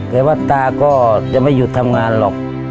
แต่ว่าตาก็จะไม่หยุดทำงานหรอก